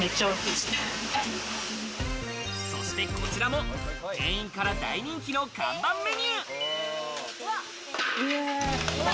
そして、こちらも店員から大人気の看板メニュー。